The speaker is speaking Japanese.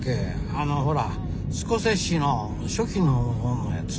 あのほらスコセッシの初期の方のやつ。